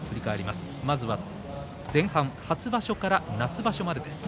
まずは前半、初場所から夏場所までです。